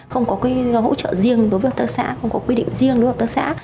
không có hỗ trợ riêng đối với hợp tác xã không có quy định riêng đối với hợp tác xã